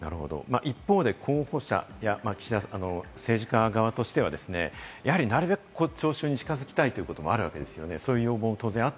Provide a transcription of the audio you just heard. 一方で、候補者や政治家側としてはですね、やはりなるべく聴衆に近づきたいっていうこともあるわけですよね。